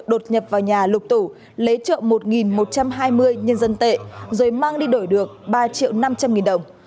lột nhập vào nhà lục tủ lấy trợ một một trăm hai mươi nhân dân tệ rồi mang đi đổi được ba triệu năm trăm linh nghìn đồng